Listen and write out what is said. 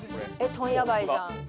問屋街じゃん。